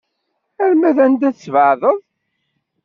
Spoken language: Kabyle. Arma d anda ara tesbeɛdeḍ?